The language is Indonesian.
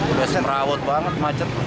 udah semraut banget macet